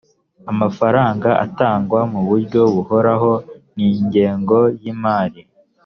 amafaranga atangwa mu buryo buhoraho n’ ingengo y’imari